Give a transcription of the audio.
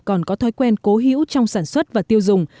còn có thói quen cố hữu trong sản xuất và tiêu dùng